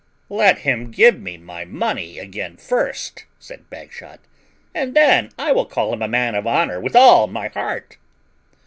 "Let him give me my money again first," said Bagshot, "and then I will call him a man of honour with all my heart."